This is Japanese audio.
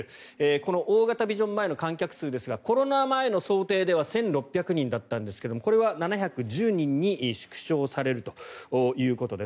この大型ビジョン前の観客数ですがコロナ前の想定では１６００人ですがこれは７１０人に縮小されるということです。